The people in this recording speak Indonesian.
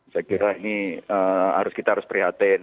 saya kira ini kita harus prihatin